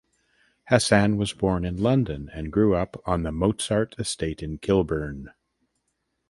Hassan was born in London and grew up on the Mozart Estate in Kilburn.